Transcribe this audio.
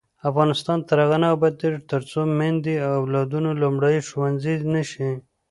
افغانستان تر هغو نه ابادیږي، ترڅو میندې د اولادونو لومړنی ښوونځی نشي.